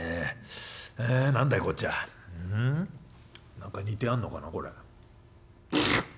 何か煮てあんのかな？これ」。